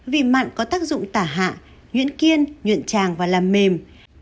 vị mặn có tác dụng tả hạ nhuyễn kiên nhuyện tràng và làm mềm